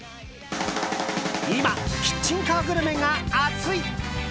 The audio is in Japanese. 今、キッチンカーグルメが熱い！